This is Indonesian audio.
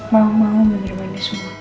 mama mau menyerah ini semua